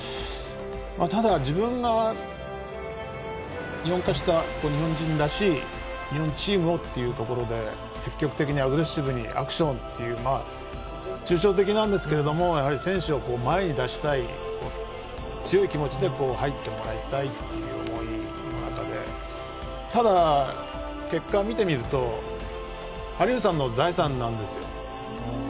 ただ、自分が日本化した日本人らしい日本チームをというところで積極的にアグレッシブにアクションという抽象的なんですけれども選手を前に出したい強い気持ちで入ってもらいたいという思いの中でただ、結果を見てみるとハリルさんの財産なんですよ。